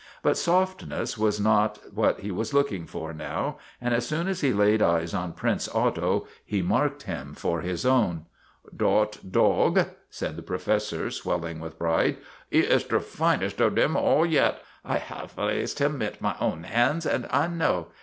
But softness was not what he was looking for now, and as soon as he laid eyes on Prince Otto he marked him for his own. " Dot dog," said the Professor, swelling with pride, " he is der finest of dem all yet. I haf raised him mit my own hands and I know.